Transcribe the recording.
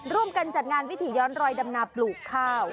ร่วมกันจัดงานวิถีย้อนรอยดำนาปลูกข้าว